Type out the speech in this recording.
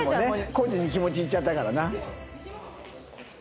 コージに気持ちいっちゃったからな。